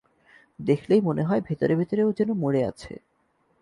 দেখলেই মনে হয় ভেতরে ভেতরে ও যেন মরে আছে।